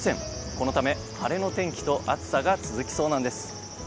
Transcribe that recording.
このため、晴れの天気と暑さが続きそうなんです。